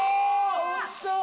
おいしそう！